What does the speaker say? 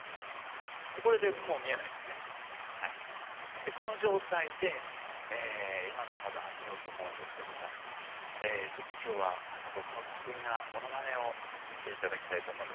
でこの状態で今のカードを当てようと思うんですけどもちょっと今日は僕の得意なモノマネを見ていただきたいと思うんですけども。